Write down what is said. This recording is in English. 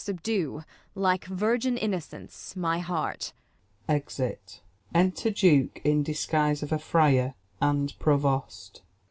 Subdue, like virgin innocence, my heart. [Exit. Enter Duke in disguise of a friar, and Provost.